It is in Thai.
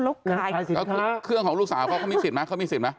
แล้วเครื่องของลูกสาวเค้ามีสิทธิ์มั้ย